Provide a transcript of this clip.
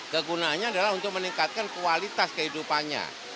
kegunaannya adalah untuk meningkatkan kualitas kehidupannya